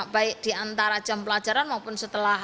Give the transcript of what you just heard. baik di antara jam pelajaran maupun setelah